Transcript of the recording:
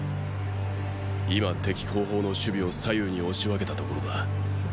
今敵後方の守備を左右に押し分けたところだ。